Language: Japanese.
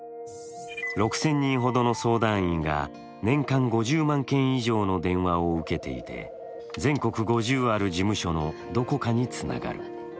６０００人ほどの相談員が年間５０万件以上の電話を受けていて全国５０ある事務所のどこかにつながる。